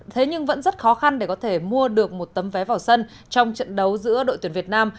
thế nhưng vẫn rất khó khăn để có thể mua được một tấm vé vào sân trong trận đấu giữa đội tuyển việt nam